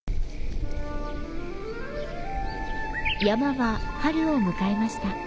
山は春を迎えました。